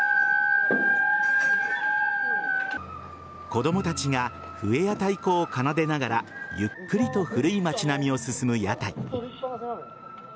子供たちが笛や太鼓を奏でながらゆっくりと古い町並みを進む屋台。